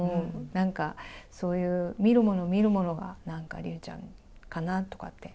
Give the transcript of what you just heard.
なんかそういう見るもの見るものが、なんか竜ちゃんかなとかって。